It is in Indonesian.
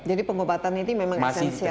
jadi pengobatan ini memang esensial